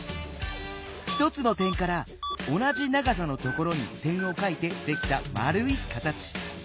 １つの点から同じ長さのところに点をかいてできたまるい形。